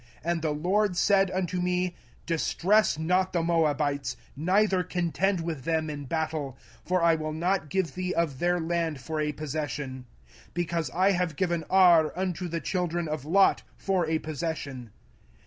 05:002:009 And the LORD said unto me, Distress not the Moabites, neither contend with them in battle: for I will not give thee of their land for a possession; because I have given Ar unto the children of Lot for a possession.